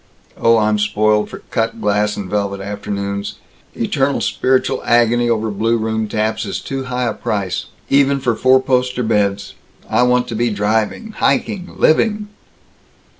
Oh, I'm spoiled for cut glass and velvet afternoons. Eternal spiritual agony over blue room taps is too high a price even for four poster beds. I want to be driving! hiking! living!"